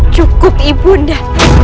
cukup ibu nda